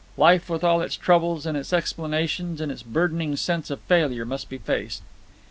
Life with all its troubles and its explanations and its burdening sense of failure must be faced.